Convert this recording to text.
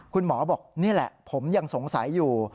คุณหมอบอกนี่แหละผมยังสงสัยอยู่